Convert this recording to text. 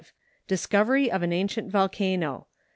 DISCOVEEY OF AN ANCIENT VOLCANO.